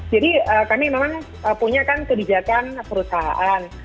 jadi kami memang punya kan kebijakan perusahaan